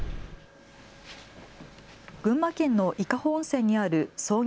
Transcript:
群馬県の伊香保温泉にある創業